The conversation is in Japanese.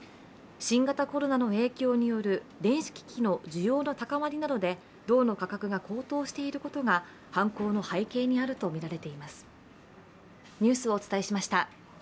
新型コロナの影響による電子機器の需要の高まりなどで銅の価格が高騰していることが犯行の背景にあるとみられています。